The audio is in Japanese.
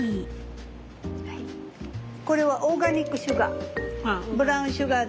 これはオーガニックシュガー。